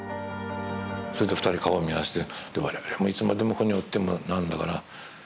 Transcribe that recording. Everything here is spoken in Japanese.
それで２人顔を見合わせて我々もいつまでもここにおっても何だかな。